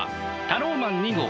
タローマン２号。